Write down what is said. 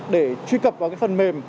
để truy cập vào phần mềm